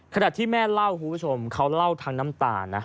ขณะที่แม่เล่าคุณผู้ชมเขาเล่าทั้งน้ำตานะ